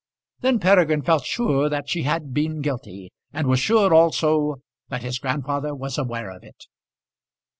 Then Peregrine felt sure that she had been guilty, and was sure also that his grandfather was aware of it.